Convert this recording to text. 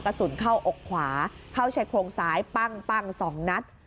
กระสุนเข้าอกขวาเข้าชายโครงซ้ายปั้ง๒นัด